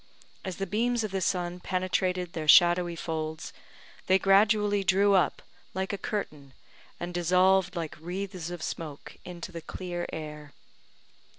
As the beams of the sun penetrated their shadowy folds, they gradually drew up like a curtain, and dissolved like wreaths of smoke into the clear air.